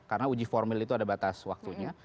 karena uji formil itu ada batas waktunya